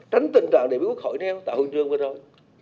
tránh tình trạng để bị quốc hội nêu tạo hôn chương với rối